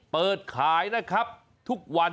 เปิดขายนะครับทุกวัน